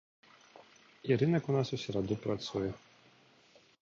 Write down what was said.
І рынак у нас у сераду працуе.